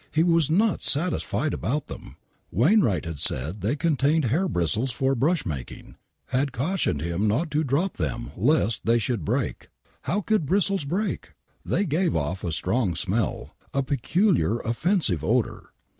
He was not satisfied about them !! Wainwright had said they contained hair bristles for brush making; had cautioned him not to drop them lest they should break. How could bristles break ? They gave off a strong smell. " A peculiar, offensive odor.